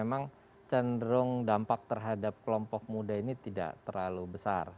memang cenderung dampak terhadap kelompok muda ini tidak terlalu besar